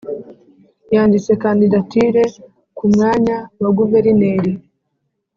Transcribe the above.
Yanditse Kandidatire ku mwanya wa guverineri